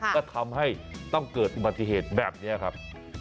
ก็ทำให้ต้องเกิดอุบัติเหตุแบบนี้ครับ